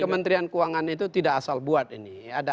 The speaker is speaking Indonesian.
kementerian keuangan itu tidak asal buat ini